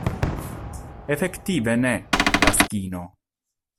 Efektive, ne, Laskino.